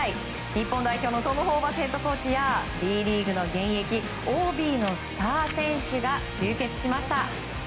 日本代表のトム・ホーバスヘッドコーチやＢリーグの現役ＯＢのスター選手が集結しました。